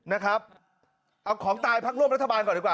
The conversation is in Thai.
นะครับเอาของตายพักร่วมรัฐบาลก่อนดีกว่า